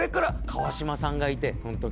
川島さんがいてその時。